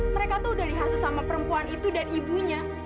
mereka tuh udah dikasih sama perempuan itu dan ibunya